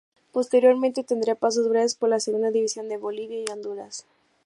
Posteriormente tendría pasos breves por la segunda división de Bolivia y Honduras.